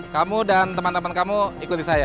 kamu dan teman teman kamu ikuti saya